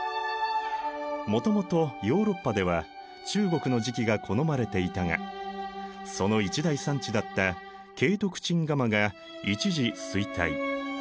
もともとヨーロッパでは中国の磁器が好まれていたがその一大産地だった景徳鎮窯が一時衰退。